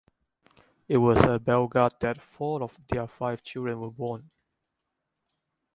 It was at Belgard that four of their five children were born.